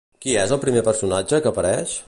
Qui és el primer personatge que apareix?